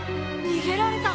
逃げられた！